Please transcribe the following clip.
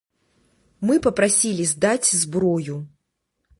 Мы папрасілі здаць зброю.